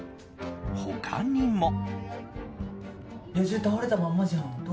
他にも。